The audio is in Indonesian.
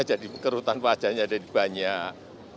jadi kerutan wajahnya jadi banyak